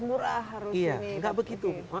murah harus ini itu iya enggak begitu